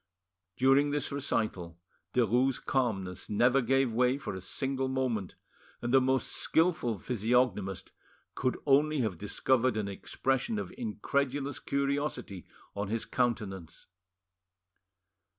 During this recital Derues' calmness never gave way for a single moment, and the most skilful physiognomist could only have discovered an expression of incredulous curiosity on his countenance.